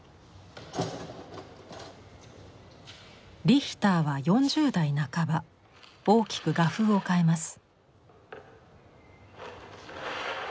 リヒターは４０代半ば大きく画風を変えます。